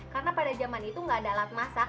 karena pada zaman itu enggak ada alat masak